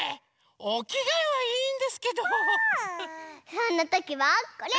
そんなときはこれ！